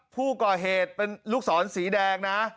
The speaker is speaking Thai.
ผู้ก่อเหตุเป็นลูกศรสีแดงนะ